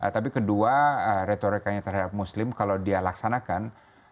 tapi kedua retorikanya terhadap muslim kalau dia laksanakan